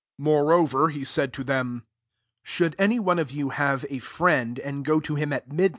" 5 Moreover he said to tb«iqgK, ^' Should any one of you bai^ a friend, and go to him at aud*.